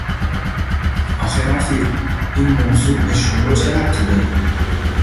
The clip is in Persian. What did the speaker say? آخه رفیق، این موضوع به شما چه ربطی داره!